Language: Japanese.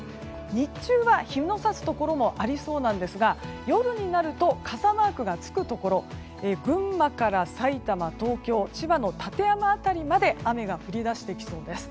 日中は日の差すところもありそうなんですが夜になると傘マークがつくところ群馬からさいたま、東京千葉の館山辺りまで雨が降り出してきそうです。